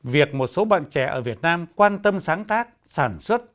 việc một số bạn trẻ ở việt nam quan tâm sáng tác sản xuất